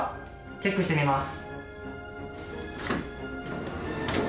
チェックしてみます。